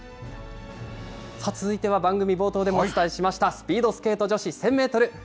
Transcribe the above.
続いては番組冒頭でもお伝えしました、スピードスケート女子１０００メートル。